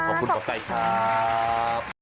ขอบคุณหมอไก่ครับ